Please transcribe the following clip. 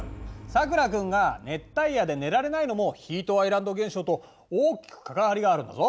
さくら君が熱帯夜で寝られないのもヒートアイランド現象と大きく関わりがあるんだぞ。